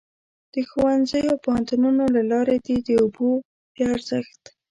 د ښوونځیو او پوهنتونونو له لارې دې د اوبو د ارزښت.